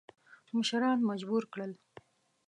مشران مجبور کړل.